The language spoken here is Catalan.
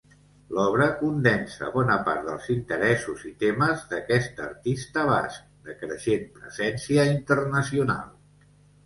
L'obra condensa bona part dels interessos i temes d'aquest artista basc, de creixent presència internacional.